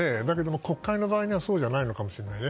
国会はそうじゃないのかもしれないね。